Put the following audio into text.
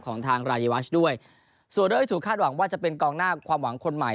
ของทางรายวัชด้วยส่วนเรื่องที่ถูกคาดหวังว่าจะเป็นกองหน้าความหวังคนใหม่